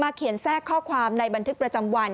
เขียนแทรกข้อความในบันทึกประจำวัน